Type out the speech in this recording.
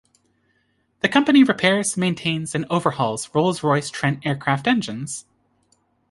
The company repairs, maintains and overhauls Rolls-Royce Trent aircraft engines.